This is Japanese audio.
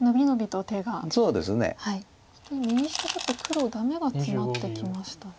そして右下ちょっと黒ダメがツマってきましたね。